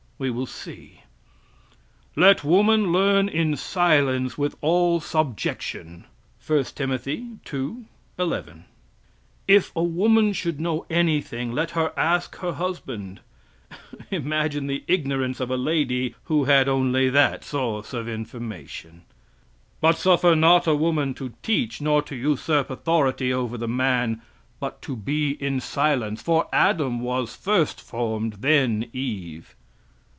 We will see: "Let woman learn in silence with all subjection." I Tim. ii, 11 (If a woman should know anything let her ask her husband. Imagine the ignorance of a lady who had only that source of information.) "But suffer not a woman to teach, nor to usurp authority over the man, but to be in silence. For Adam was first formed, then Eve.